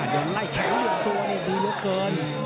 โดยไล่แขนยอดตัวนี้ดีเหลือเกิน